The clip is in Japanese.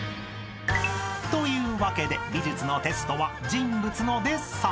［というわけで美術のテストは人物のデッサン］